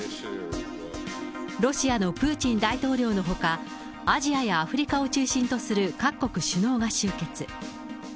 ロシアのプーチン大統領のほか、アジアやアフリカを中心とする各国首脳が集結。